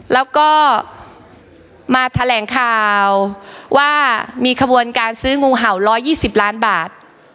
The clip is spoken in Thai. แล้วก็มาแถลงข่าวว่ามีขบวนการซื้องูเห่า๑๒๐ล้านบาท